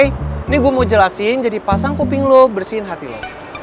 ini gue mau jelasin jadi pasang kuping lo bersihkan lo